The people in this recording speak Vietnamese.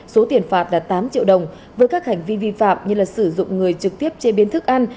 số tiền phạt là tám triệu đồng với các hành vi vi phạm như sử dụng người trực tiếp chế biến thức ăn